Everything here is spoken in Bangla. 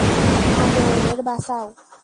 আগে ওদের বাঁচাও।